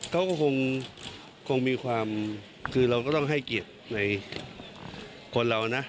เขาก็คงมีความคือเราก็ต้องให้เกียรติในคนเรานะ